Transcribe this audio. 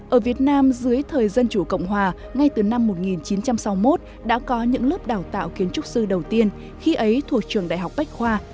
ở việt nam dưới thời dân chủ cộng hòa ngay từ năm một nghìn chín trăm sáu mươi một đã có những lớp đào tạo kiến trúc sư đầu tiên khi ấy thuộc trường đại học bách khoa